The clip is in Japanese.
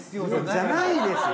じゃないですよ。